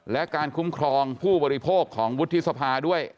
และการคุ้มครองผู้บริโภคของวุฒิสภาด้วย